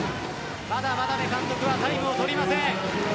まだ眞鍋監督タイムを取りません。